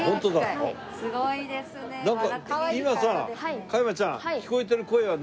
今さ加山ちゃん聞こえてる声は。